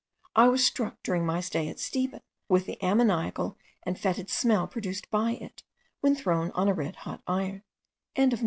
I was struck, during my stay at Steeben, with the ammoniacal and fetid smell produced by it, when thrown on a red hot iron.)